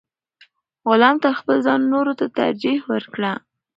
غلام تر خپل ځان نورو ته ترجیح ورکړه.